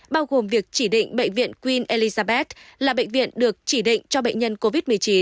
bao gồm việc chỉ định bệnh viện qn elizabeth là bệnh viện được chỉ định cho bệnh nhân covid một mươi chín